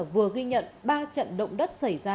vừa ghi nhận ba trận động đất xảy ra